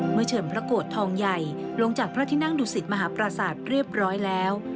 เมื่อเชิญพระโกรธทองใหญ่ลงจากพระทินั่งดุสิตมหาประสาทเรียบร้อยแล้ว